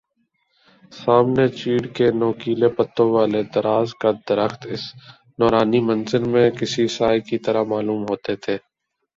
سامنے چیڑ کے نوکیلے پتوں والے دراز قد درخت اس نورانی منظر میں کسی سائے کی طرح معلوم ہوتے تھے